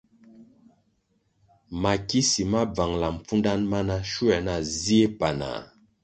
Mikisi ma bvangʼla mpfudanʼ mana shuē na zie panah.